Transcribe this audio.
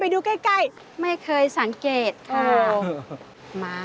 ดูใกล้ไม่เคยสังเกตค่ะ